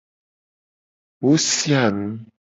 Wo sia nu.